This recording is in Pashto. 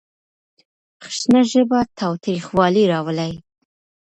خشنه ژبه تاوتريخوالی راولي.